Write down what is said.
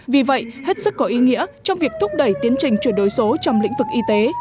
vì vậy hết sức có ý nghĩa trong việc thúc đẩy tiến trình chuyển đổi số trong lĩnh vực y tế